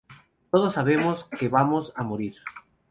Todos sabemos que vamos a morir.